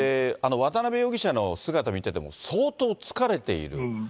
渡辺容疑者の姿見てても、相当疲れている。